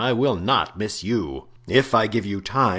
I will not miss you." "If I give you time!"